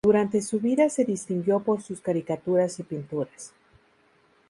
Durante su vida se distinguió por sus caricaturas y pinturas.